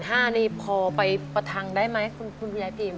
๑๕๐๐๐บาทนี่พอไปประทังได้ไหมคุณยายพิมพ์